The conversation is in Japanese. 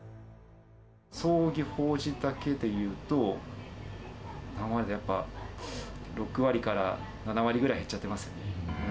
葬儀・法事だけでいうと、やっぱり６割から７割ぐらい減っちゃってますよね。